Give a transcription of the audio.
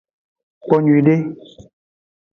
Kpo nyuiede.